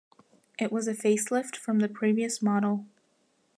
It was a facelift from the previous model.